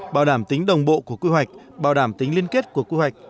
bảo đảm tính đồng bộ của quy hoạch bảo đảm tính liên kết của quy hoạch